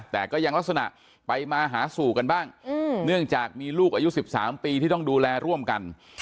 แต่ก็ยังลักษณะไปมาหาสู่กันบ้างเนื่องจากมีลูกอายุ๑๓ปีที่ต้องดูแลร่วมกัน